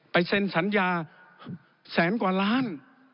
เซ็นสัญญาแสนกว่าล้าน